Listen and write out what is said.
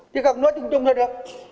chứ không nói chung chung thôi đó